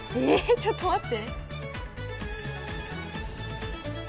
ちょっと待って。